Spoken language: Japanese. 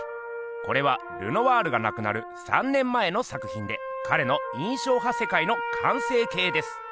これはルノワールがなくなる３年前の作ひんでかれの印象派世界の完成形です。